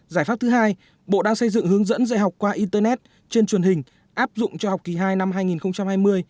giải pháp thứ hai bộ đang xây dựng hướng dẫn dạy học qua internet trên truyền hình áp dụng cho học kỳ hai năm hai nghìn hai mươi